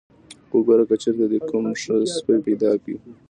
وګوره که چېرته دې کوم ښه سپی پیدا کړ.